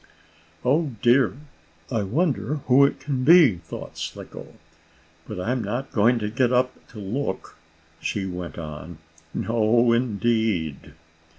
"Oh, dear! I wonder who it can be?" thought Slicko. "But I'm not going to get up to look," she went on. "No, indeed!"